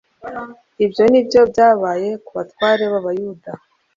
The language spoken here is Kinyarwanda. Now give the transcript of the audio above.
Ibyo nibyo byabaye ku batware b'abayuda.